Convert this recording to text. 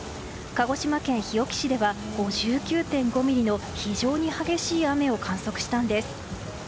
鹿児島県日置市では５９．５ミリの非常に激しい雨を観測したんです。